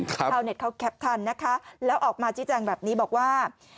ชาวเน็ตเขาแคปทันนะคะแล้วออกมาชี้แจงแบบนี้บอกว่า